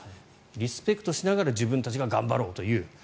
リスペクトしながら自分たちが頑張ろうという。